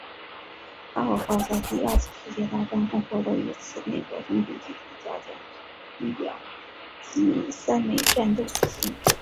高尔号在第二次世界大战共获得一次美国总统集体嘉奖勋表及三枚战斗之星。